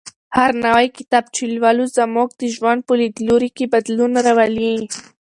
هر نوی کتاب چې لولو زموږ د ژوند په لیدلوري کې بدلون راولي.